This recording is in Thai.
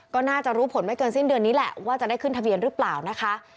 ก็น่าจะรู้ผลไม่เกินสิ้นเดือนนี้แหละว่าจะได้ขึ้นทะเบียนหรือเปล่านะคะ